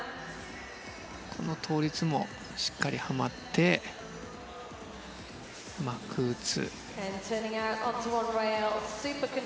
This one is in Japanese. この倒立もしっかりはまってマクーツ。